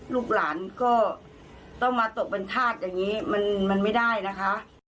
ลูกหลานก็ต้องมาตกเป็นธาตุอย่างนี้มันไม่ได้นะคะ